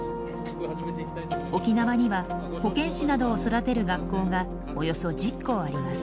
沖縄には保健師などを育てる学校がおよそ１０校あります。